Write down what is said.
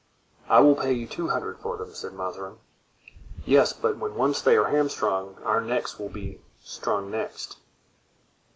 "I will pay you two hundred for them," said Mazarin. "Yes, but when once they are hamstrung, our necks will be strung next."